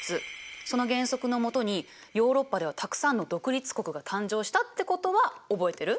その原則の下にヨーロッパではたくさんの独立国が誕生したってことは覚えてる？